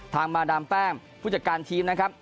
มาดามแป้งผู้จัดการทีมนะครับ